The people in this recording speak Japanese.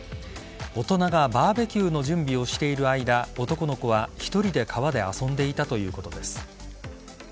大人がバーベキューの準備をしている間男の子は１人で川で遊んでいたということです。